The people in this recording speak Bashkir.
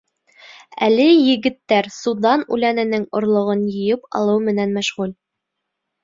Әле егеттәр судан үләненең орлоғон йыйып алыу менән мәшғүл.